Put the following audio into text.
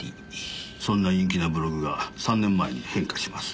そんな陰気なブログが３年前に変化します。